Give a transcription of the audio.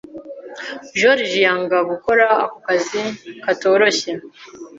Joriji yanga gukora ako kazi katoroshye.